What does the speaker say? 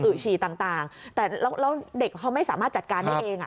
ฉี่ต่างแต่แล้วเด็กเขาไม่สามารถจัดการได้เองอ่ะ